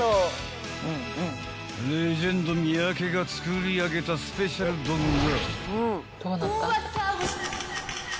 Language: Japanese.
［レジェンド三宅が作り上げたスペシャル丼が］